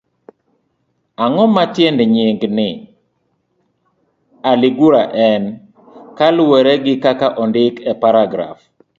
Ang'o ma tiend nying' ni aligura en, kaluwore gi kaka ondik e paragraf?